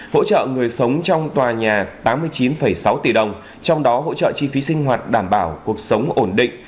hỗ trợ người sống trong tòa nhà tám mươi chín sáu tỷ đồng trong đó hỗ trợ chi phí sinh hoạt đảm bảo cuộc sống ổn định